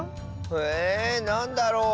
えなんだろう？